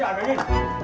masih ada bengin